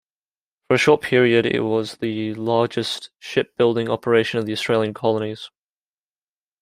For a short period, it was the largest shipbuilding operation in the Australian colonies.